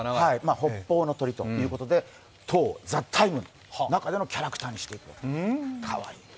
北方の鳥ということで、当「ＴＨＥＴＩＭＥ，」の中でのキャラクターにしている。